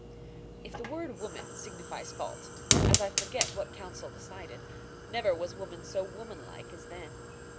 If the word woman signifies fault, as I forget what Council decided, never was woman so womanlike as then.